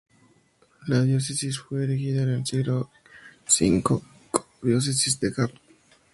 La diócesis fue erigida en el siglo V como "Diócesis de Gap".